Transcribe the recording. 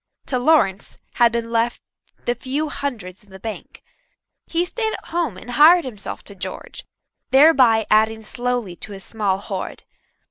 To Lawrence had been left the few hundreds in the bank. He stayed at home and hired himself to George, thereby adding slowly to his small hoard.